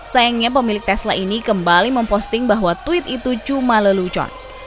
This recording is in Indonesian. sayangnya pemilik tesla ini kembali memposting bahwa tweet itu cuma lelucon